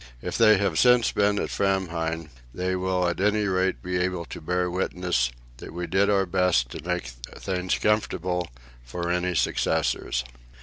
If they have since been at Framheim, they will at any rate be able to bear witness that we did our best to make things comfortable for any successors.